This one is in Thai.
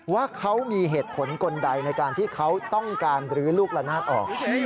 ว่าเขามีเหตุผลคนใดในการที่เขาต้องการลื้อลูกละนาดออก